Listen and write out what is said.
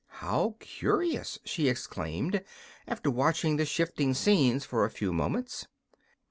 "How curious!" she exclaimed, after watching the shifting scenes for a few moments.